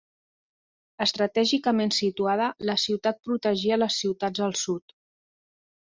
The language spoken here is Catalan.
Estratègicament situada, la ciutat protegia les ciutats al sud.